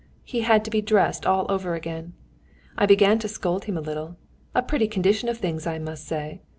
He had to be dressed all over again. I began to scold him a little, 'A pretty condition of things, I must say!'